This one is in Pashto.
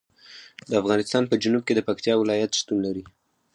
د افغانستان په جنوب کې د پکتیکا ولایت شتون لري.